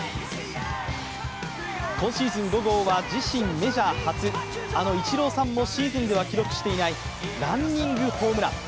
今シーズン５号は自身メジャー初あのイチローさんもシーズンでは記録していないランニングホームラン。